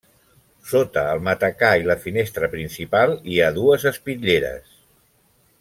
Sota el matacà i la finestra principal hi ha dues espitlleres.